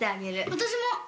私も！